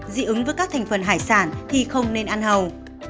dị ứng với các thành phần hải sản thì không nên ăn hầu